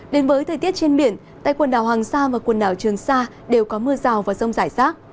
đến với thời tiết trên biển tại quần đảo hoàng sa và quần đảo trường sa đều có mưa rào và rông rải rác